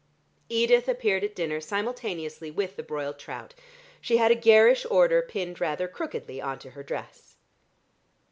Edith appeared at dinner simultaneously with the broiled trout. She had a garish order pinned rather crookedly on to her dress.